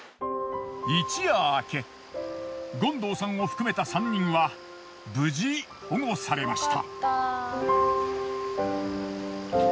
一夜明け権藤さんを含めた３人は無事保護されました。